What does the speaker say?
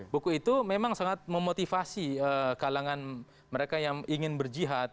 buku itu memang sangat memotivasi kalangan mereka yang ingin berjihad